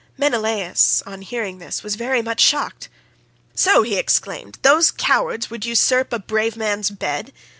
Menelaus on hearing this was very much shocked. "So," he exclaimed, "these cowards would usurp a brave man's bed?